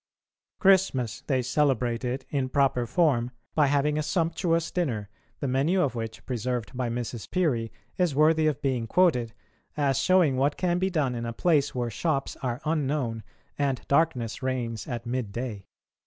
Christmas they celebrated in proper form by having a sumptuous dinner, the menu of which, preserved by Mrs. Peary, is worthy of being quoted, as showing what can be done in a place where shops are unknown and darkness reigns at midday.